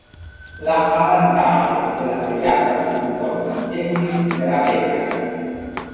La avantaĝo de la plej alta punkto estis gravega.